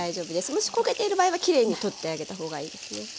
もし焦げている場合はきれいに取ってあげたほうがいいですね。